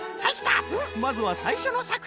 まずはさいしょのさくひん！